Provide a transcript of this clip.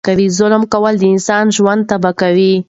ظلم کول د انسان ژوند تبا کوي.